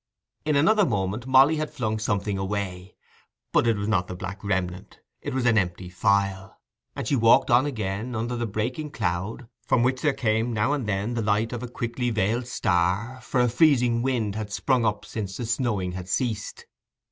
In another moment Molly had flung something away, but it was not the black remnant—it was an empty phial. And she walked on again under the breaking cloud, from which there came now and then the light of a quickly veiled star, for a freezing wind had sprung up since the snowing had ceased.